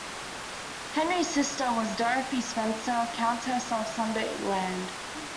Henry's sister was Dorothy Spencer, Countess of Sunderland.